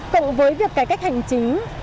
cộng với việc cải cách hành chính